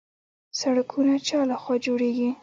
سړکونه چا لخوا جوړیږي؟